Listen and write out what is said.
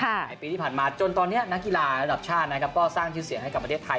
ในปีที่ผ่านมาจนตอนนี้นักกีฬาระดับชาตินะครับก็สร้างชื่อเสียงให้กับประเทศไทย